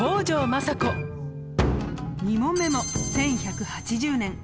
２問目も１１８０年。